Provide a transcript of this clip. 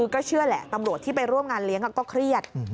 ก็เชื่อแหละตำรวจที่ไปร่วมงานเลี้ยงก็เครียด